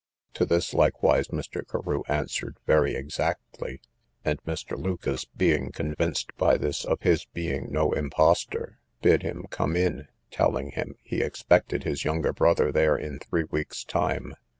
To this likewise Mr. Carew answered very exactly; and Mr. Lucas, being convinced by this of his being no imposter, bid him come in, telling him, he expected his youngest brother there in three weeks time.